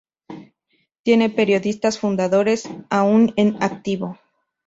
Tiene periodistas fundadores aún en activo.